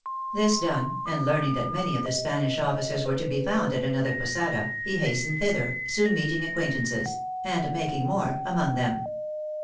This done, and learning that many of the Spanish offi cers were to be found at another posada, he hastened thither, soon meeting acquaintances and making more among them.